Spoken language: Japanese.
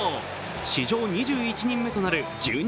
史上２１人目となる１２